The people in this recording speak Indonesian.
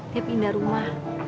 dia pindah rumah